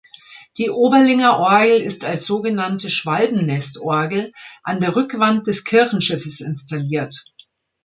Die Oberlinger-Orgel ist als sogenannte "Schwalbennestorgel" an der Rückwand des Kirchenschiffes installiert.